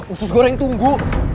usus goreng tunggu